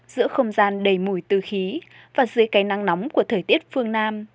giữa không gian đầy mùi tư khí và dưới cây nắng nóng của thời tiết phương nam